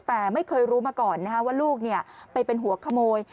แต่ไม่เคยรู้มาก่อนว่าลูกไปเป็นหัวขโมย